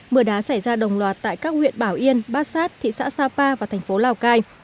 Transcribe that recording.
mưa đá xảy ra đồng loạt tại các huyện bảo yên bát sát thị xã sapa và thành phố lào cai